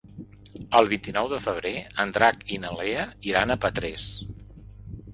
El vint-i-nou de febrer en Drac i na Lea iran a Petrés.